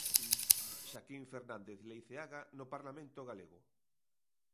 Xaquín Fernández Leiceaga, no Parlamento galego.